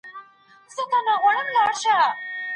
کله د سخت کار او زیار اغېز په ټولنه کي څرګندېږي؟